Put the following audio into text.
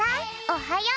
おはよう！